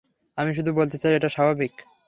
আমি শুধু বলতে চাই, এটা স্বাভাবিক!